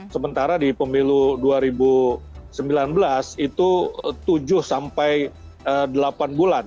sementara di pemilu dua ribu sembilan belas itu tujuh sampai delapan bulan